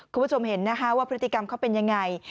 คุณผู้ชมเห็นนะคะว่าพฤติกรรมเขาเป็นยังไง